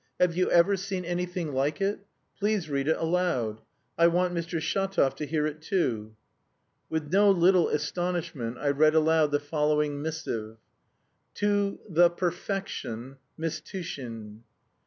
"Have you ever seen anything like it. Please read it aloud. I want Mr. Shatov to hear it too." With no little astonishment I read aloud the following missive: "To the Perfection, Miss Tushin.